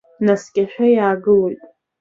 Наскьашәа иаагылоит.